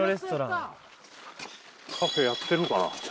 カフェやってるかな？